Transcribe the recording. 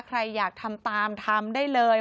ใครอยากทำตามทำได้เลย